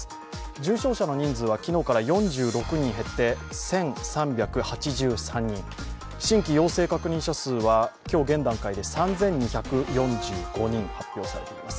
重症者の人数は昨日から４６人減って１３８３人、新規陽性者数は今日、現段階で３２４５人発表されています。